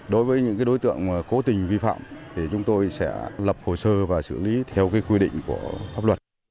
đối với những đối tượng cố tình vi phạm thì chúng tôi sẽ lập hồ sơ và xử lý theo quy định của pháp luật